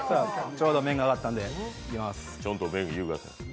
ちょうど麺が上がったんでいきます。